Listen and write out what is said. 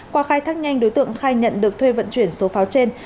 qua khai thác nhanh đối tượng khai nhận được thuê vận chuyển số pháo trên